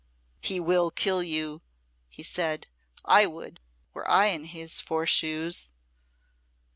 "He will kill you," he said. "I would, were I in his four shoes."